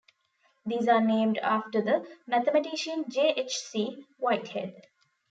These are named after the mathematician J. H. C. Whitehead.